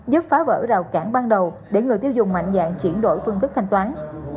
giúp phá vỡ rào cản ban đầu để người tiêu dùng mạnh dạng chuyển đổi phương thức thanh toán